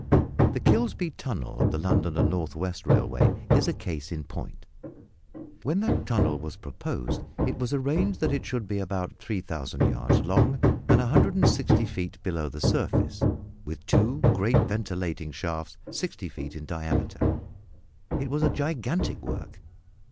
The Kilsby tunnel of the London and North west Railway is a case in point. When that tunnel was proposed, it was arranged that it should be about 3000 yards long, and 160 feet below the surface, with two great ventilating shafts 60 feet in diameter. It was a gigantic work.